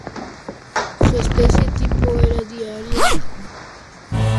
Su especie tipo era "Daria daria".